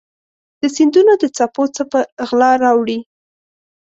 د سیندونو د څپو څه په غلا راوړي